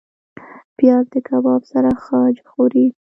پیاز د کباب سره ښه خوري